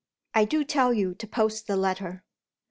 "I do tell you to post the letter."